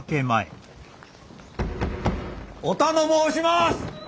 おたの申します！